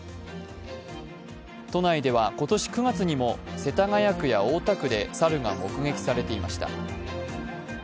都内では今年９月にも世田谷区や大田区で猿が目撃されていました。